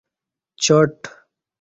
چاٹ